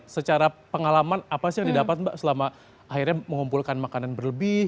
secara pengalaman apa sih yang didapat mbak selama akhirnya mengumpulkan makanan berlebih